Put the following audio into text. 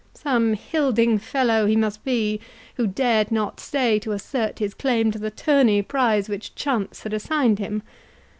Some hilding fellow he must be, who dared not stay to assert his claim to the tourney prize which chance had assigned him.